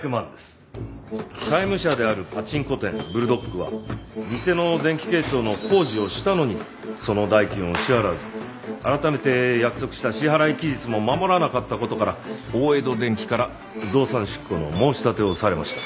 債務者であるパチンコ店ブルドッグは店の電気系統の工事をしたのにその代金を支払わず改めて約束した支払期日も守らなかった事から大江戸電気から動産執行の申し立てをされました。